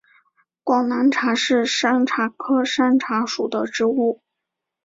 广南茶是山茶科山茶属的植物。